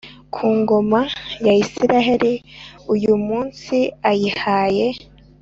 ku ngoma ya Isirayeli uyu munsi ayihaye